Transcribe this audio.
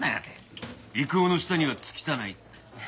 「郁夫の下にはつきたない」って。